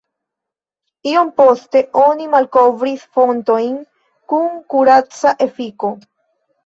Iom poste oni malkovris fontojn kun kuraca efiko.